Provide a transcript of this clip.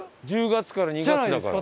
１０月から２月だから。